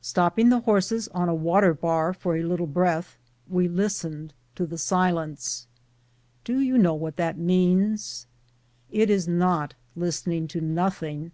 Stopping the horses on a water bar for a little breath, we listened to the silence. Do you know what that means ? It is not listening to noth ing.